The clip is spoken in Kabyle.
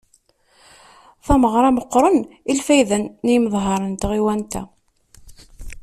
Tameɣra meqqren i lfayda n yimeḍharen n tɣiwant-a.